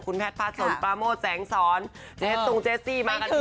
คุณแพทย์ภาษสนประโมทแสงสอนเจสตุงเจสซี่มากันเทียบ